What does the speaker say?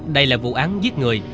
đây là vụ án giết người